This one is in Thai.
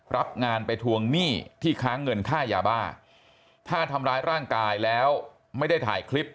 รับงานไปทวงหนี้ที่ค้างเงินค่ายาบ้าถ้าทำร้ายร่างกายแล้วไม่ได้ถ่ายคลิป